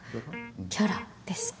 キャラですか。